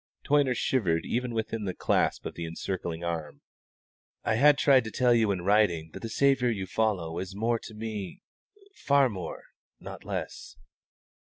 Toyner shivered even within the clasp of the encircling arm. "I had tried to tell you in writing that the Saviour you follow is more to me far more, not less."